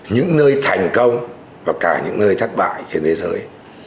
những nơi thành công và cả những nơi thất bại trên thế giới